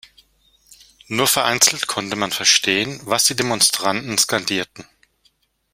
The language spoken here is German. Nur vereinzelt konnte man verstehen, was die Demonstranten skandierten.